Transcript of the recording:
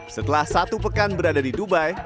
setelah satu pekan berada di dubai